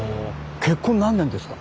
結婚何年ですか？